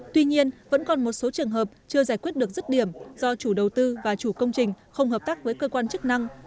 tuy nhiên vẫn còn một số trường hợp chưa giải quyết được rứt điểm do chủ đầu tư và chủ công trình không hợp tác với cơ quan chức năng